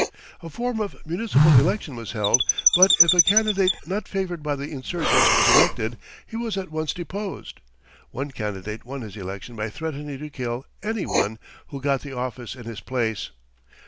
A form of municipal election was held, but if a candidate not favoured by the insurgents was elected, he was at once deposed. One candidate won his election by threatening to kill any one who got the office in his place.